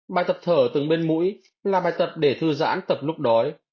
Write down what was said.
bài thập thở từng bên mũi là bài thập để thư giãn tập lúc đói